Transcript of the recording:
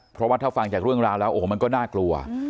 เพราะว่าถ้าฟังจากเรื่องราวแล้วโอ้โหมันก็น่ากลัว